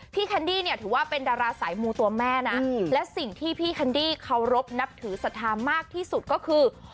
แคนดี้เนี่ยถือว่าเป็นดาราสายมูตัวแม่นะและสิ่งที่พี่แคนดี้เคารพนับถือศรัทธามากที่สุดก็คือ